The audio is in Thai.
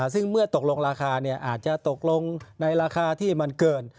ซึ่งเมื่อตกลงราคาอาจจะตกลงในราคาที่มันเกิน